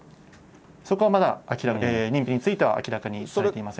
そこはまだ、認否については明らかにされていません。